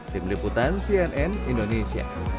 tim liputan cnn indonesia